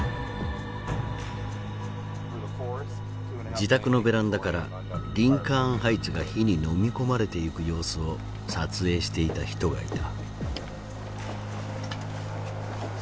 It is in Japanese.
自宅のベランダからリンカーン・ハイツが火にのみ込まれていく様子を撮影していた人がいた。